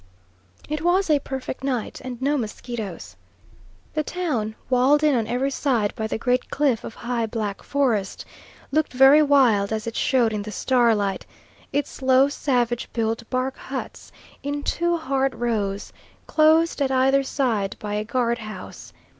It was a perfect night, and no mosquitoes. The town, walled in on every side by the great cliff of high black forest, looked very wild as it showed in the starlight, its low, savage built bark huts, in two hard rows, closed at either end by a guard house.